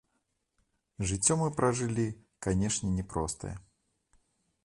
Жыццё мы пражылі, канешне, няпростае.